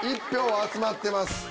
１票集まってます。